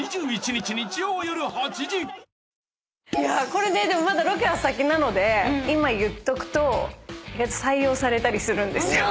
これまだロケは先なので今言っとくと採用されたりするんですよ。